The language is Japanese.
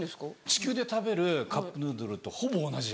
地球で食べるカップヌードルとほぼ同じ味。